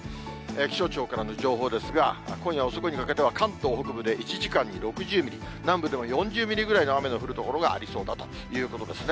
気象庁からの情報ですが、今夜遅くにかけては関東北部で１時間に６０ミリ、南部でも４０ミリぐらいの雨の降る所がありそうだということですね。